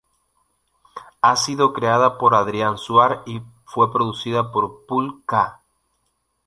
Ha sido "creada" por Adrián Suar y fue producida por Pol-Ka.